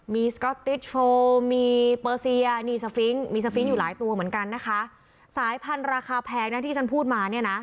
มีมีมีอยู่หลายตัวเหมือนกันนะคะสายพันธุ์ราคาแพงนะที่ฉันพูดมาเนี้ยน่ะ